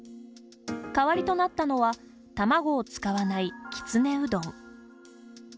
代わりとなったのは卵を使わない、きつねうどん。